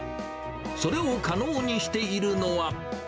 それを可能にしているのは。